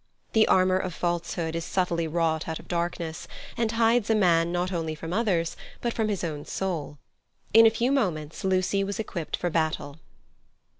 The armour of falsehood is subtly wrought out of darkness, and hides a man not only from others, but from his own soul. In a few moments Lucy was equipped for battle.